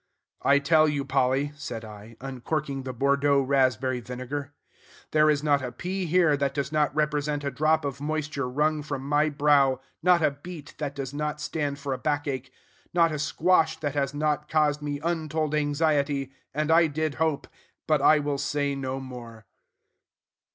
"I tell you, Polly," said I, uncorking the Bordeaux raspberry vinegar, "there is not a pea here that does not represent a drop of moisture wrung from my brow, not a beet that does not stand for a back ache, not a squash that has not caused me untold anxiety; and I did hope but I will say no more."